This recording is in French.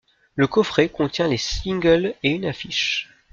Le coffret contient les singles et une affiche.